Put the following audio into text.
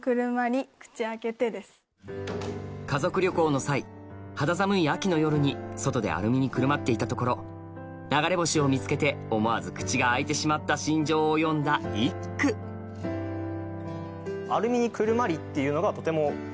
家族旅行の際肌寒い秋の夜に外でアルミにくるまっていたところ流れ星を見つけて思わず口が開いてしまった心情を詠んだ一句っていうのがとても。